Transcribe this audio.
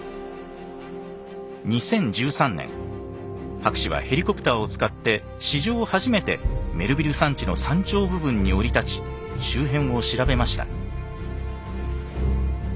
博士はヘリコプターを使って史上初めてメルヴィル山地の山頂部分に降り立ち周辺を調べました。